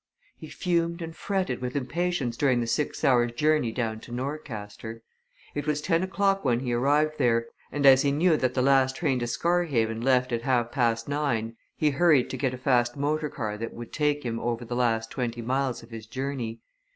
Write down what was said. He fumed and fretted with impatience during the six hours' journey down to Norcaster. It was ten o'clock when he arrived there, and as he knew that the last train to Scarhaven left at half past nine he hurried to get a fast motor car that would take him over the last twenty miles of his journey.